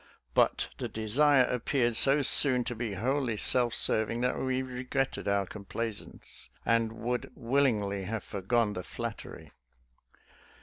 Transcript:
But the desire appeared so soon to be wholly self serving that we regretted our complaisance, and would willingly have foregone the flattery.